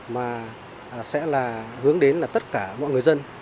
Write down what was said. mà sẽ là hướng đến là tất cả các cơ quan nhà nước của thành phố hạ long